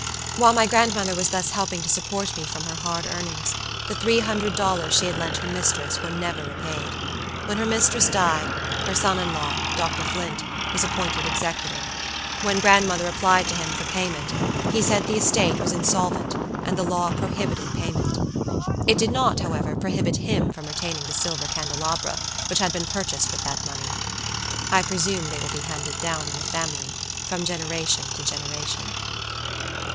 While my grandmother was thus helping to support me from her hard earnings, the three hundred dollars she had lent her mistress were never repaid. When her mistress died, her son in law, Dr. Flint, was appointed executor. When grandmother applied to him for payment, he said the estate was insolvent, and the law prohibited payment. It did not, however, prohibit him from retaining the silver candelabra, which had been purchased with that money. I presume they will be handed down in the family, from generation to generation.